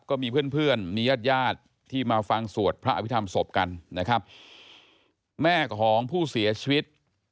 ก็มีเพื่อนเพื่อนมีญาติญาติที่มาฟังสวดพระอภิษฐรรมศพกันนะครับแม่ของผู้เสียชีวิต